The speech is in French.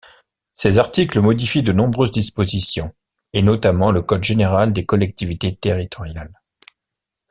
Ses articles modifient de nombreuses dispositions, et notamment le code général des collectivités territoriales.